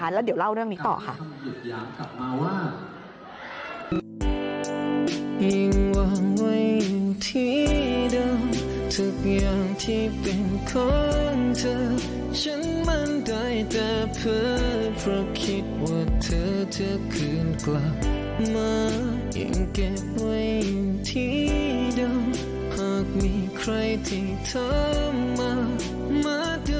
ใครที่เธอมามาดูเองกับตา